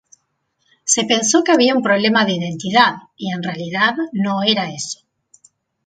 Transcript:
Se pensó que había un problema de identidad y en realidad no era eso.